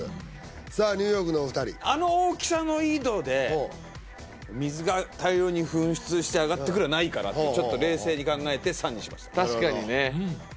さあニューヨークのお二人あの大きさの井戸で水が大量に噴出して上がってくるはないかなってちょっと冷静に考えて３にしました